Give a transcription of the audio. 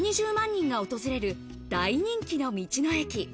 年間１２０万人が訪れる大人気の道の駅。